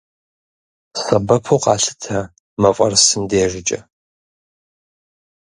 Сэбэпу къалъытэ мафӏэрысым дежкӏэ.